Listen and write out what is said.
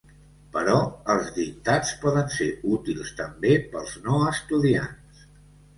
Però els dictats poden ser útils també pels no estudiants.